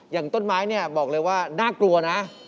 อย่างต้นไม้เนี่ยบอกเลยว่าน่ากลัวนะ